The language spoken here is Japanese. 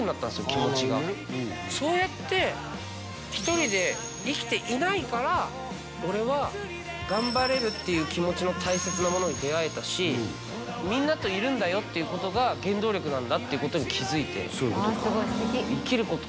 気持ちがそうやってひとりで生きていないから俺は頑張れるっていう気持ちの大切なものに出会えたしみんなといるんだよっていうことが原動力なんだってことに気づいてそういうことか生きること